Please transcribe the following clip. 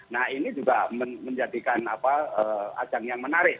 nah ini juga menjadikan ajang yang menarik